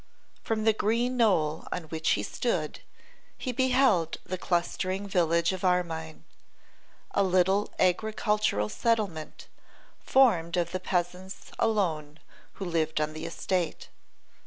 From the green knoll on which he stood he beheld the clustering village of Armine, a little agricultural settlement formed of the peasants alone who lived on the estate.